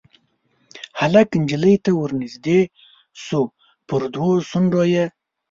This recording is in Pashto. هلک نجلۍ ته ورنیژدې شو پر دوو شونډو یې